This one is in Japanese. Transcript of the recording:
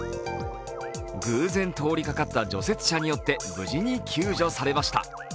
偶然、通りかかった除雪車によって無事に救助されました。